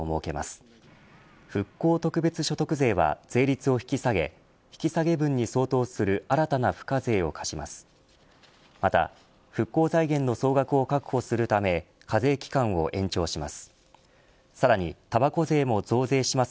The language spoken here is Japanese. また復興財源の総額を確保するため課税期間を延長します。